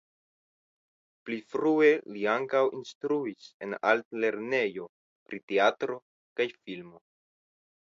Pli frue li ankaŭ instruis en Altlernejo pri Teatro kaj Filmo.